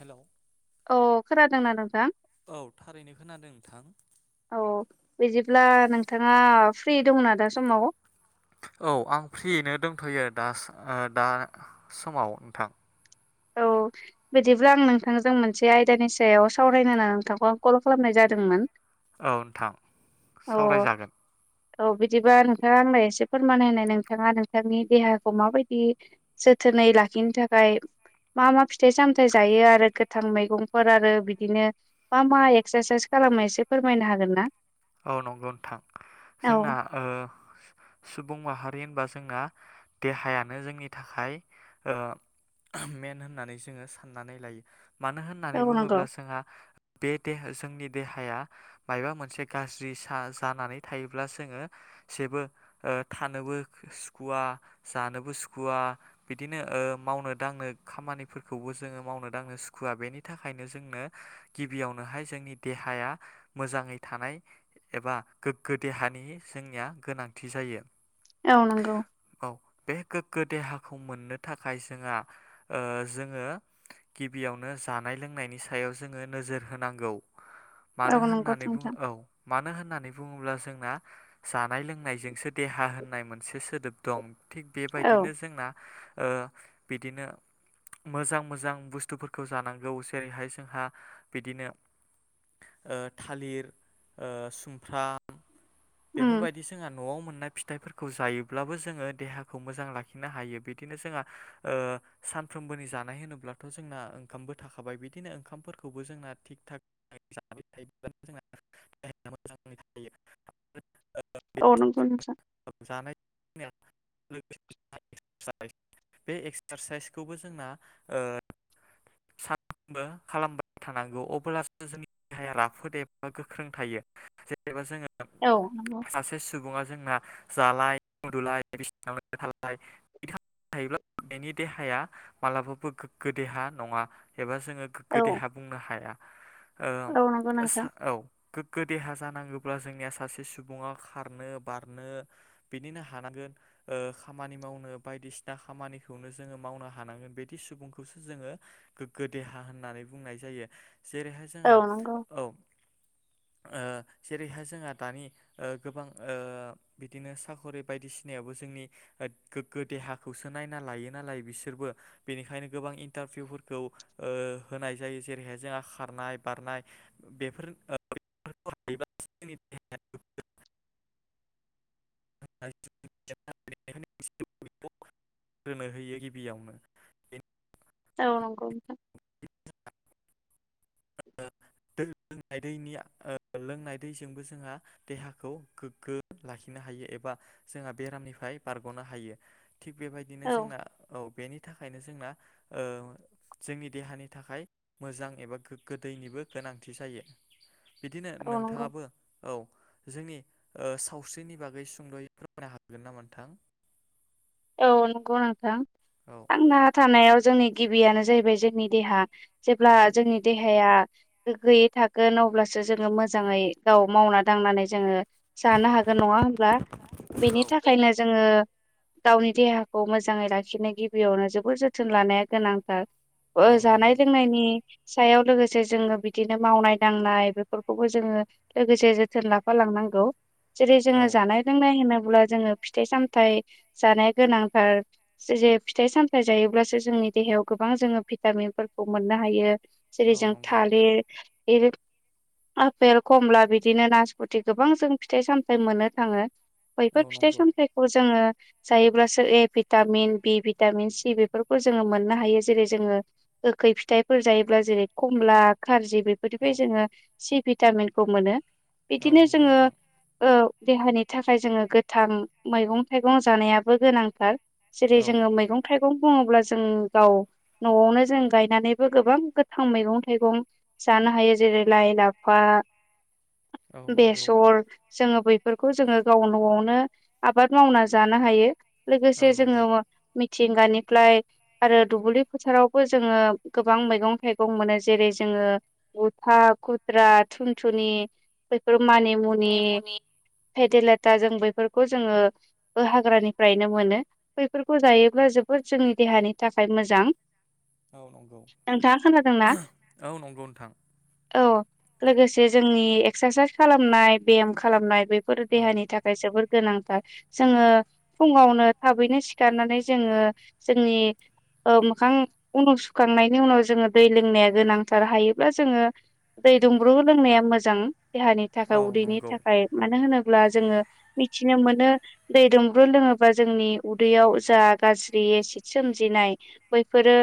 Hello औ खोनादोंना नोंथां औ थारै अब्ला नोंथाङा फ्रि दंना दा समाव औ आं फ्रियैनो दोनथयो दास दा समाव नोंथां औ बिदिब्ला आं नोंथांजों मोनसे आयदानि सायाव सावरायनो होना नोंथांखौ आं कल खालामनाय जादोंमोन औ नोंथां औ सावरायजागोन। औ बिदिबा नोंथांङा आंनो एसे फोरमायना होनाय नोंथाङा नोंथांनि देहाखौ माबायदि जोथो नै लाखिनो थाखाय मा मा फिथाइ-सामथाइ जायो आरो गोथां मैगंफोर आरो बिदिनो मा मा एक्सारसाईस खाला मो एसे फोरमायनो हागोन ना? औ नंगौ नोंथां औ जोंना ओ सु बुं माहारि होनबा जोंना देहायानो जोंनि थाखाय ओ मेन होननानै जोङो साननानै लायो। मानो होननानै औ नंगौ बुङोब्ला जोंहा बे दे जोंनि देहाया मायबा मोनसे गाज्रिसा जानानै थायोब्ला जोङो जेबो थानोबो सुखुवा मा जानोबो सुखुवा बिदिनो ओ मावनो दांनो खामानिफोरखौबो जोंङो मावनो दांनो सुखुवा बेनि थाखायनो जोंनो गिबियावनोहाय जोंनि देहाया मोजांङै थानाय एबा गोग्गो देहानि जोंनिया गोनांथि जायो औ नंगौ औ बे गोग्गो देहाखौ मोननो थाखाय जोंहा ओ जोंङो गिबियावनो जानाय-लोंनायनि सायाव जोंङो नोजोर होनांगौ औ मानो नंगौ होननानै बुङो नोंथां औ मानो होननानै बुङोब्ला जोंना जा नाय-लोंनायजोंसो देहा होननाय मोनसे सोदोब दं थिग औ बेबायदिनो जोंना - ओ बिदिनो मोजां-मोजां बुस्थुफोरखौ जानांगौ जेरैहाय जोंहा बिदिनो ओ थालिर ओ सुमफ्राम उम बेफोरबायदि जोंहा न'आव मोननाय फिथाइफोरखौ जायोब्लाबो जोंङो देहाखौ मोजां लाखिनो हायो बिदिनो जोंहा ओ सानफ्रोमबोनि जानाय होनोब्लाथ' जोंना ओंखामबो थाखाबाय बिदिनो ओंखामफोरखौबो जोंना थिग-थाग जाबाय थायोब्ला जोंना देहाया मोजाङै थायो औ नंगौ नोंथां [unintelligible] बे एक्सारसाइसखौबो जोंना ओ सानफ्रोमबो खालामबाय थानांगौ अब्लासो जोंनि देहाया राफोद एबा गोख्रों थायो जेनेबा जोङो औ नंगौ सासे सुबुङा जोंना जालाय-उन्दुलाय बिसिनायाव थालाय इदि खामाम थायोब्ला बेनि देहाया मालाबाबो गोग्गो देहा नङा एबा जोंङो गोग्गो औ देहा बुंनो हाया औ नंगौ ओ नोंथां सा औ गोग्गो देहा जानो ब्ला जोंनिया सासे सुबुंङा खारनो बारनो बिदिनो हानांगोन ओ खामानि मा वनो बायदिसिना खामानिखौनो जोंङो मावनो हानांगोन बिदि सुबुंखौसो जोङो गोग्गो देहा होननानै बुंनाय जायो जेरैहाय औ जोंहा नंगौ औ ओ जेरैहाय जोंहा दानि ओ गोबां ओ बिदिनो साख'रि बायदिसिनायावबो जोंनि ओत गोग्गो देहाखौसो नायना लायो नालाय बिसोरबो बेनिखायनो गोबां इन्टारभिउफोरखौ ओ होनाय जायो जेरैहाय जोंहा खारनाय बारनाय बेफोर ओ [inaudible] [unintelligible] [unintelligible] होनो होयो गिबियावनो बेनि औ नंगौ नोंथां [inaudible] दै लोंनाय दैनि ओ लोंनाय दैजोंबो जोंहा देहाखौ गोग्गो लाखिनो हायो एबा जोंहा बेरामनिफ्राय बारग'नो हायो थिग बेबायदिनो औ जोंना औ बेनि थाखायनो जोंना ओ जोंनि देहानि थाखाय मोजां एबा गो ग्गो दैनिबो गोनांथि जायो बिदिनो औ नंगौ नोंथाङाबो औ जोंनि ओ सावस्रिनि बागै सुंद'यै फोरमायनो हागोन नामा नोंथां औ नंगौ नोंथां औ थांना थानायाव जोंनि गिबियानो जाहैबाय जोंनि देहा जेब्ला औ जोंनि देहाया गोग्गोयै थागोन अब्लासो जोङो मोजाङै गाव मावना दांनानै जोङो जानो हागोन नङा होनब्ला बेनि थाखायनो जोङो गावनि देहाखौ मोजाङै लाखिनो गिबियावनो जोबोर जोथोन लानाया गोनांथार ओ औ नंगौ जानाय लोंनायनि सायाव लोगोसे जोङो बिदिनो मावनाय दांनाय बेफोरखौबो जोङो लोगोसे जोथोन लाफा लांनांगौ जेरै औ जोङो जानाय लोंनाय होनोब्ला जोङो फिथाइ सामथाइ जानाया गोनांथार जे जे फिथाइ सामथाइ जायोब्लासो जोंनि देहायाव गोबां जोङो भिटामिनफोर खौ मोननो हायो जेरै औ जों नंगौ थालिर एरै आफेल कमला बिदिनो नासपुथि गोबां जों फिथाइ सामथाय मोननो थाङो औ बैफोर फिथाइ नंगौ सामथाइखौ जा जायोब्लासो ए भिटामिन बि भिटामिन सि बेफोरखौ जोङो मोननो हायो जेरै जोङो ख खै फिथाइफोर जायोब्ला जेरै खमला गारजि औ बेफोरनिफ्राय जोङो सि भिटामिनखौ मोनो औ बिदिनो नंगौ जोङो नोंथां औ देहानि थाखाय जोङो गोथां मैगं थाइगं जानायाबो गोनांथार। जेरै औ जोङो मैगं थाइगं गं बुङोब्ला जों गाव न'आवनो जों गायनानैबो गोबां गोथां मैगं थाइगं जानो हायो जेरै लाइ लाफा औ नंगौ बेसर जोङो बैफोरखौ जोङो गाव न'आवनो आबाद मावना जानो हायो औ लोगोसे नंगौ जोङो मि मिथिंगानिफ्लाय आरो दुबुलि फोथारावबो जोङो गोबां मैगं थाइगं मोनो जेरै जोङ [unintelligible] खुद्रा थुनथुनि बेफोर मानि मुनि नेमुनि फेदेलेथा जों बेफोरखौ जोङो बो हाग्रानिफ्रायनो मोनो बैफोरखौ जायोब्ला जोबोद जोंनि देहानि थाखाय मोजां। औ नंगौ नोंथाङा खोनादोंना [unintelligible] औ नंगौ नोंथां औ लोगोसे जोंनि एक्सारसाइस खालामनाय बेयाम खालामनाय बेफोर औ देहानि थाखाय जोबोर गोनांथार‌। जोङो फुङावनो थाबैनो सिखारनानै जोङो जोंनि ओ मोखां उनु सुखांनायनि उनाव जोङो दै लोंनाया गोनांथार हायोबा जोङो दै दुंब्रु लोंनाया मोजां। देहानि थाखाय औ उदैनि नंगौ थाखाय मानो होनोब्ला जोङो मिथिनो मोनो दै दुंब्रु लोङोबा जोंनि उदैयाव जा गाज्रि एसिद सोमजिनाय बैफोरो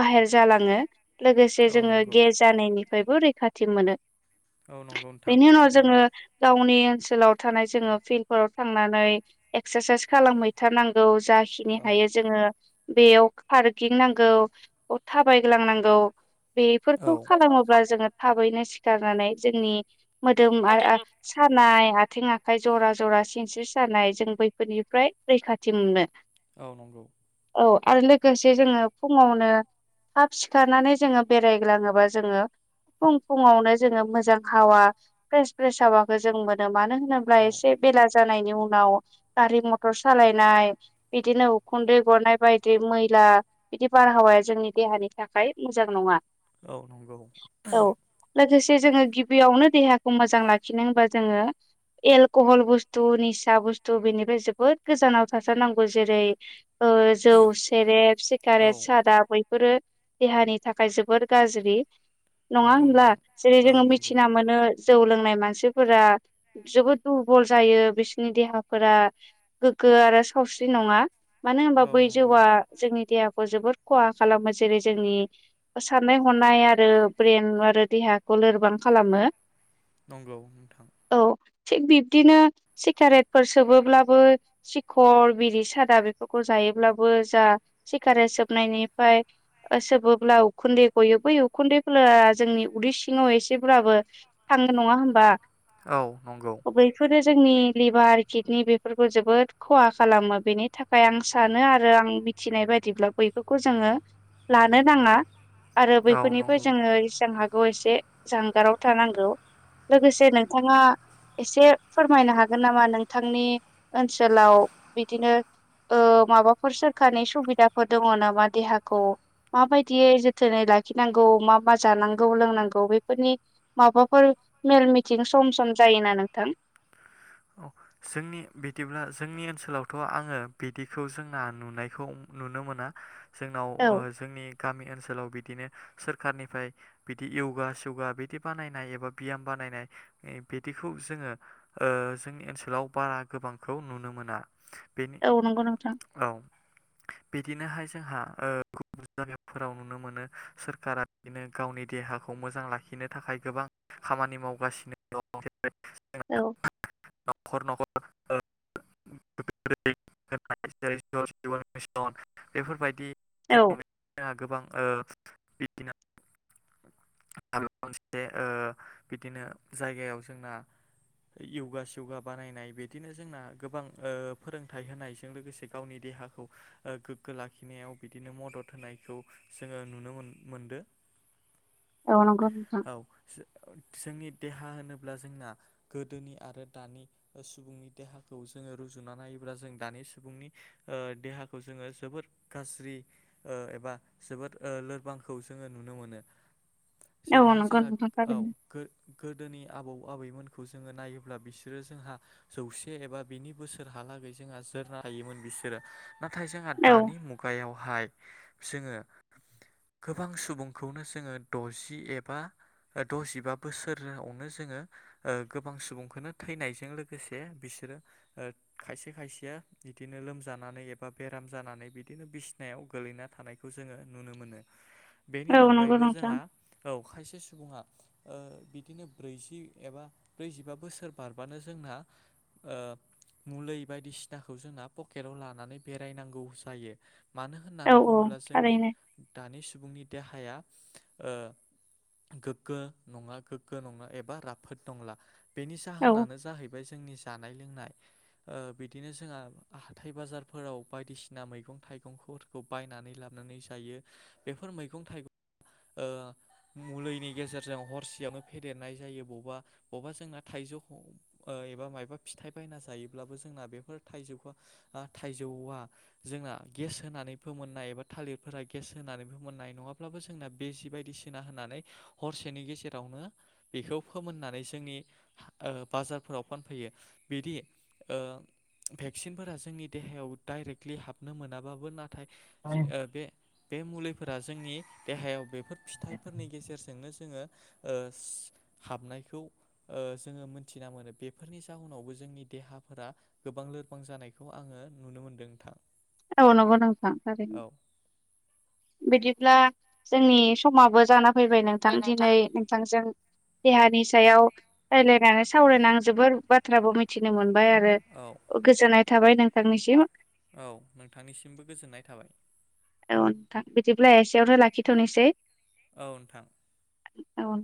बाहेर जालाङो लोगोसे औ जोङो नंगौ गे जानायनिफ्रायबो रैखाथि मोनो‌ औ नंगौ नोंथां बेनि उनाव थारैनो जोङो गाव गावनि ओनसोलाव थानाय जोङो फिल फोराव थांनानै एक्सारसाइस खालामहैथारनांगौ। जाखिनि औ हायो जोङो बेयाव पार्किं नांगौ थाबायग्लां नांगौ। औ बेफोरखौ खालामोब्ला जोङो थाबैनो सिखारनानै जोंनि मोदोम [unintelligible] सानाय आथिं आखाय जरा जरा सिनस्रि सानाय जों बैफोरनिफ्राय रैखाथि मोनगोन। औ नंगौ औ आरो लोगोसे जोङो फुङावनो थाब सिखारनानै जोङो बेरायग्लाङोबा जोङो फुं फुुंयावनो जोङो मोजां हावा फ्रेस फ्रेस हावाखौ जों मोनो मानो होन होनोब्ला औ एसे बेला जानायनि उनाव गारि मथर सालायनाय बिदिनो उखुन्दै गनाय बायदि मैला बिदि बारहाव हावाया जोंनि देहानि थाखाय मोजां नङा। औ नंगौ औ [unintelligible] लोगोसे जोङो गिबियावनो देहाखौ मोजां लाखिनो होनबा जोङो एलक'हल बुस्थु निसा बुस्थु बेनिफ्राय जोबोद गोजानाव थाथारनांगौ जेरै ओ जौ सेरेब, औ सिगारेट, सादा बैफोरो देहानि थाखाय जोबोर गाज्रि नङा नंगौ होमब्ला? नोंथां जेरै औ जोङो नंगौ मिथिना मोनो जौ लोंनाय मानसिफोरा जोबोद दुरबल जायो बिसिनि देहा फोरा गोग्गो आरो सावस्रि नङा मानो होनबा औ बै नंगौ जौआ जोंनि देहा खौ जोबोर खहा खालामो जेरै जोंनि साननाय हनाय आरो ब्रेन आरो देहाखौ लोरबां खालामो नंगौ नोंथां। औ थिग बिब्दिनो सिगारेट फोर सोबोब्लाबो सिखर, बिरि, सादा बेफोरखौ जायोब्लाबो जा सिगारेट सोबनायनिफ्राय सोबोब्ला उखुन्दै गयो बै उखुन्दैफोरा जोंनि उदै सिङाव एसेब्लाबो थांङो नङा होमबा? औ नंगौ। बैफोरो जोंनि लिभार किडनि बेफोरखौ जोबोद खहा खालामो बेनि थाखाय आं सानो आरो आं मिथिनाय बायदिब्ला बै बिफोरखौ जोङो लानो नाङा आरो औ बैफोरनिफ्राय नंगौ जोङो जेसां हा गौ एसे जानगाराव थानांगौ। लोगोसे नोंथाङा एसे फोरमायनो हागोन नामा नों थांनि ओनसोलाव बिदिनो माबाफोर सोरखारनि सुबिदाफोर दङ नामा देहाखौ माबायदियै जोथोनै ला खिनांगौ मा मा जानांगौ लोंनांगौ बैफोरनि माबाफोर मेल मिथिं सम सम जायोना नोंथां? औ जोंनि बिदिब्ला जोंनि ओनसोलावथ' आङो बिदिखौ जोंना नुनायखौ नुनो मोना जोंनाव औ जोंनि गामि ओनसोलाव बिदिनो सोरखारनिफ्राय बिदि यगा स्यगा बिदि बानायनाय एबा बियाम बानायनाय बिदि खौ जोङो जोंनि ओनसोलाव बारा गोबांखौ नुनो मोना। बेनि औ नंगौ नोंथां। औ बिदिनोहाय जोंहा [unintelligible] फोराव नुनो मोनो सोरखारा बिदिनो गावनि देहाखौ मोजां लाखिनो थाखाय गोबां खामानि मावगासिनो दं [unintelligible] औ न'खर न'खर [unintelligible] मिसन बेफोरबायदि औ [unintelligible] गोबां [unintelligible] [unintelligible] मोनसे बिदिनो जायगायाव जोंना य'गा स्य'गा बानायनाय बिदिनो जोंना गोबां फोरोंथाइ होनायजों लोगोसे गावनि देहा खौ गोग्गो लाखिनायाव बिदिनो मदद होनायखौ जोङो नुनो मोन मोनदो। [inaudible] औ नंगौ नोंथां औ जोंनि देहा होनोब्ला जोंना गोदोनि आरो दानि सुबुंनि देहाखौ जोङो रुजुना नायोब्ला जों दानि सुबुंनि देहाखौ जोङो जोबोद गाज्रि एबा जोबोद लोरबांखौ जोङो नुनो मो नो। औ जेरैहाय नंगौ जोंहा नोंथां थारैनो गोदोनि आबौ आबैमोनखौ जोङो नायोब्ला बिसोरो जोंहा जौसे एबा बिनि बोसोरहालागै जोंहा जोरनो हायोमोन बिसोरो नाथाय जोंहा औ दानि मुगायावहाय जोङो गोबां सुबुंखौनो जोङो द'जि एबा द'जिबा बोसोरावनो जोङो गोबां सुबुंखौनो थैनायजों लोगोसे बिसोरो खायसे खायसेया बिदिनो लोम जानानै एबा बेराम जानानै बिदिनो बिसनायाव गोलैना थानायखौ जोङो नुनो मोनो। बेनि औ नंगौ अनगायैबो नोंथां जोंहा औ खायसे सुबुङा बिदिनो ब्रैजि एबा ब्रैजिबा बोसोर बारबानो जोंना मुलौ बायदिसिनाखौ जोंना पकेटाव लानानै बेरायनांगौ जायो। मानो औ होननानै औ बुङोब्ला जोंनि थारैनो दानि सुबुंनि देहाया गोगो नङा गोगो नङा एबा राफोद नंला बेनि औ जाहोनानो जाहैबाय जोंनि जानाय लोंनाय बिदिनो जोंहा हाथाय बाजारफोराव बायदिसिना मैगं थाइ थाइगंफोरखौ बायनानै लाबोनानै जायो बेफोर मैगं थाइगं आ मुलिनि गेजेरजों हरसेयावनो फेदेरनाय जायो बबेबा बबेबा जोंना थाइजौ एबा मायबा फिथाइ बायना जायोब्लाबो जोंना बेफोर थाइजौ थाइजौआ जोंना गेस होनानै फोमोननाय एबा थालिरफोरा गेस होनानै फोमोननाय नङाब्लाबो जोंना बे जि बायदिसिना होननानै हरसेनि गेजेरावनो बेखौ फोमोननानै जोंनि आ बाजारफोराव फानफैयो बिदि ओ भेक्सिनफोरा जोंनि देहायाव दडाइरेक्टलि हाबनो मोनाबाबो नाथाय नाथाय बे मुलिफोरा जोंनि देहायाव बेफो फिथाइफोरनि गेजेरजोंनो ओ हाबनायखौ ओ जोंङो मोनथिना मोनो बेफोरनि जाहोनावबो जोंनि देहाफोरा गोबां लोरबां जानायखौ आंङो नुनो मोनदों नोंथां। ओ नंगों नोंथां औ [unintelligible] बिदिब्ला जोंनि समाबो जाना फैबाय नोंथां दिनै नोंथांजों देहानि सायाव रायज्लायनानै सावरायनानै आं जोबोर बाथ्राबो मिथिनो मोनबाय आरो औ गोजोननाय थाबाय नोंथांनिसिम नोंथांनिसिमबो गोजोननाय थाबाय। औनोंथां बिदिब्ला एसेयावनो लाखिथ'नोसै। औ नोंथां औ